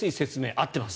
合ってます。